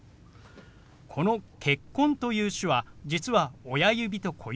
この「結婚」という手話実は親指と小指